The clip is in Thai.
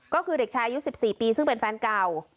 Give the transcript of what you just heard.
ก็คือเด็กชายุดสิบสี่ปีซึ่งเป็นแฟนเก่า